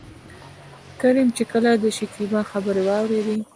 کريم چې کله دشکيبا خبرې واورېدې.